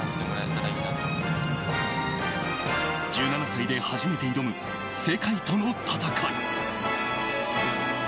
１７歳で初めて挑む世界との戦い。